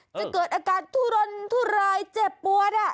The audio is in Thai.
จะเกิดอาการทุรนทุรายเจ็บปวด